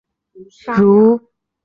如下图所示。